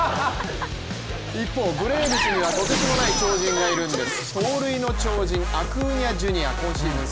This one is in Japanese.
一方、ブレーブスにはとてつもない超人がいるんです。